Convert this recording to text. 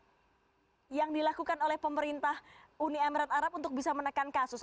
apa yang dilakukan oleh pemerintah uni emirat arab untuk bisa menekan kasus